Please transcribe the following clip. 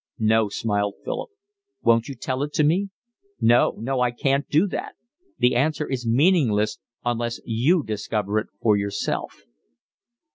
"No," smiled Philip. "Won't you tell it me?" "No, no, I can't do that. The answer is meaningless unless you discover it for yourself."